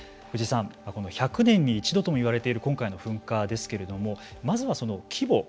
藤井さん、１００年に一度とも言われている今回の噴火ですけれどもまずは、規模